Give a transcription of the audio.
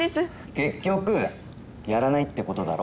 結局やらないって事だろ。